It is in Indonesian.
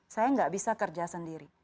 saya nggak bisa kerja sendiri